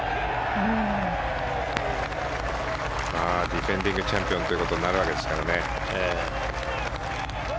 ディフェンディングチャンピオンになるわけですからね。